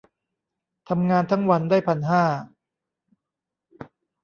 ทำงานทั้งวันได้พันห้า